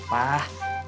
nah makasih juga